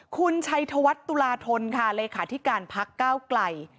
คุณชัยธวัฒน์ตุลาธนค่ะเลขาธิการพักก้าวไกล